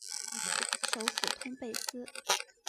首府通贝斯。